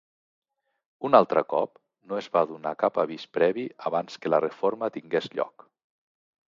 Un altre cop, no es va donar cap avís previ abans que la reforma tingués lloc.